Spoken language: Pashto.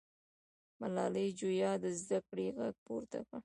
ملالۍ جویا د زده کړې غږ پورته کړ.